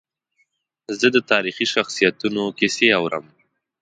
زه د تاریخي شخصیتونو کیسې اورم.